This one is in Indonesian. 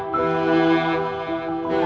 mama gak tau